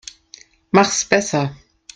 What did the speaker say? Mach's besser.